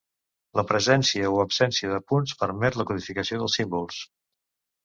La presència o absència de punts permet la codificació dels símbols.